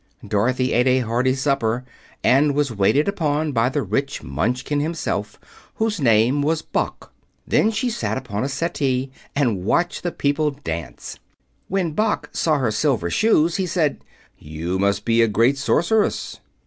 Dorothy ate a hearty supper and was waited upon by the rich Munchkin himself, whose name was Boq. Then she sat upon a settee and watched the people dance. When Boq saw her silver shoes he said, "You must be a great sorceress."